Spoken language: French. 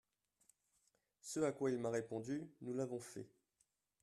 Ce à quoi il m’a répondu, nous l’avons fait.